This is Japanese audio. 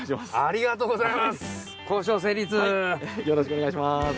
よろしくお願いします。